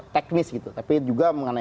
teknis gitu tapi juga mengenai